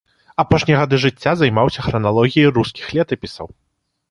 Апошнія гады жыцця займаўся храналогіяй рускіх летапісаў.